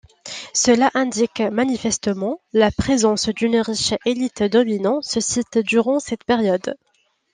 Cela indique manifestement la présence d'une riche élite dominant ce site durant cette période.